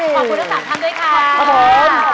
ขอบคุณทั้ง๓ทั้งด้วยค่ะ